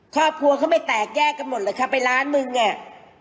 ครอบครัวเขาไม่แตกแยกกันหมดเลยค่ะไปล้านหนึ่งอ่ะ